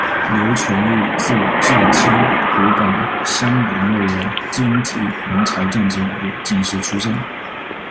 刘存义，字质卿，湖广襄阳卫人，军籍，明朝政治人物、进士出身。